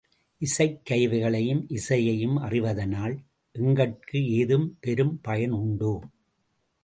இசைக் கருவிகளையும் இசையையும் அறிவதனால் எங்கட்கு ஏதும் பெரும் பயன் உண்டோ?